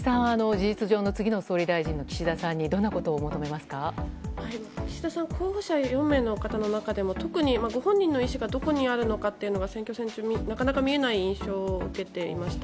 事実上の次の総理大臣の岸田さんに、どんなことを岸田さん、候補者４名の中でも特に、ご本人の意思がどこにあるのかというのが選挙戦中になかなか見えない印象を受けていました。